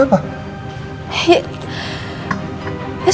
sebenarnya buat apa